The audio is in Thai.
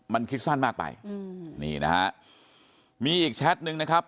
มันคิดสั้นมากไปนี่นะครับมีอีกแชทนึงนะครับ